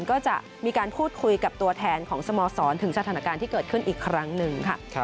ก็จะมีการพูดคุยกับตัวแทนของสโมสรถึงสถานการณ์ที่เกิดขึ้นอีกครั้งหนึ่งค่ะ